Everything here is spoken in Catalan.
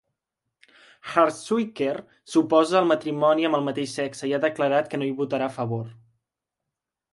Hartsuyker s"oposa al matrimoni amb el mateix sexe i ha declarat que no hi votarà a favor.